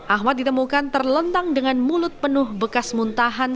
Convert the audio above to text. ahmad ditemukan terlentang dengan mulut penuh bekas muntahan